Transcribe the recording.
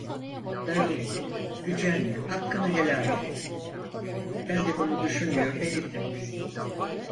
Darılma, gücenme, hakkını helal et! Ben de bunu düşünmüyor değildim.